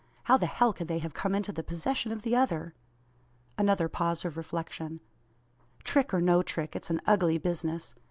How the hell could they have come into the possession of the other?" Another pause of reflection. "Trick, or no trick, it's an ugly business.